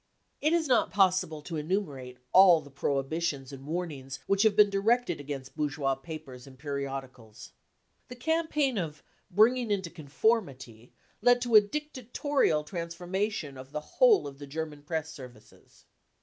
It is not possible to enumerate all the prohibitions and warnings which have been directed against bourgeois papers and periodicals. The campaign of " bringing into com formity 35 led to a dictatorial transformation of the whole of the German Press services.